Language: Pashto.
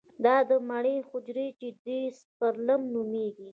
دا د مني حجرې چې دي سپرم نومېږي.